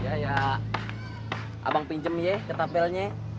yaya abang pinjem ye ketapelnya